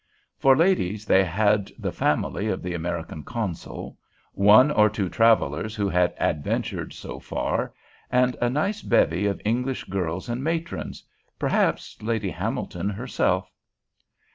For ladies, they had the family of the American consul, one or two travellers who had adventured so far, and a nice bevy of English girls and matrons, perhaps Lady Hamilton herself.